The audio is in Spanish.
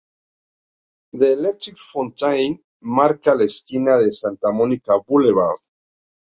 The Electric Fountain marca la esquina de Santa Monica Blvd.